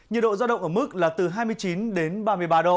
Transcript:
nhiệt độ giao động ở mức là từ hai mươi chín đến ba mươi ba độ